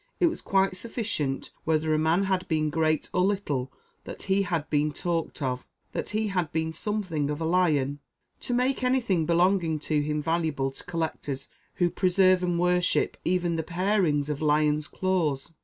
It was quite sufficient whether a man had been great or little that he had been talked of, that he had been something of a lion to make any thing belonging to him valuable to collectors, who preserve and worship even 'the parings of lions' claws.